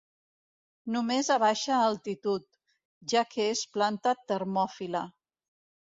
Només a baixa altitud, ja que és planta termòfila.